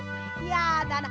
やだな。